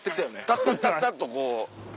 タッタッタッタっとこう。